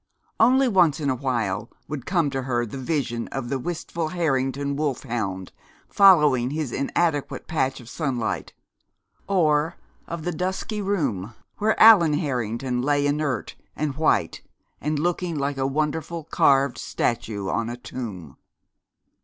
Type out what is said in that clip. Only once in a while would come to her the vision of the wistful Harrington wolfhound following his inadequate patch of sunlight, or of the dusky room where Allan Harrington lay inert and white, and looking like a wonderful carved statue on a tomb.